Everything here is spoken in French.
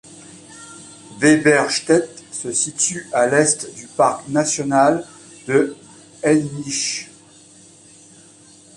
Weberstedt se situe à l'est du parc national de Hainich.